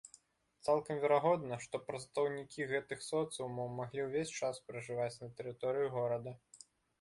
Цалкам верагодна, што прадстаўнікі гэтых соцыумаў маглі ўвесь час пражываць на тэрыторыі горада.